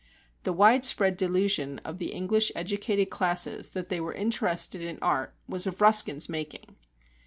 The widespread delusion of the English educated classes, that they are interested in art, was of Ruskin's making.